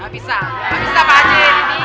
gak bisa gak bisa pak haji